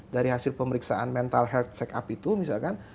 dari hasil pemeriksaan mental health check up itu misalkan